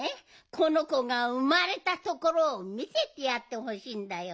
このこがうまれたところをみせてやってほしいんだよ。